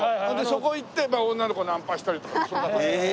そこ行って女の子ナンパしたりとかそんなんだった。